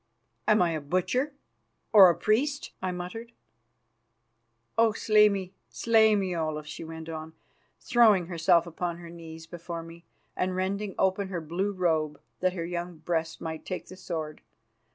"Am I a butcher or a priest?" I muttered. "Oh, slay me, slay me, Olaf!" she went on, throwing herself upon her knees before me, and rending open her blue robe that her young breast might take the sword.